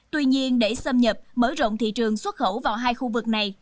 tuy nhiên để xâm nhập mở rộng thị trường xuất khẩu vào hai khu vực này